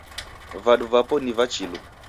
Vadu vapo ni va chilu.